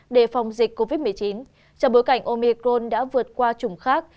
để phòng dịch covid một mươi chín trong bối cảnh omicron đã vượt qua chủng khác